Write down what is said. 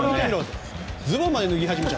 ズボンまで脱ぎ始めて。